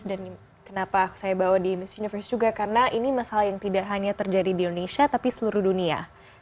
dan kenapa saya bawa di miss universe juga karena ini masalah yang tidak hanya terjadi di indonesia tapi seluruh dunia